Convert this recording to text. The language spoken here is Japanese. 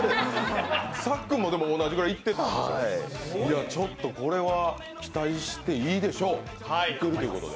さっくんも同じぐらいいってたんだよね、これは期待していいでしょう、いけるということで。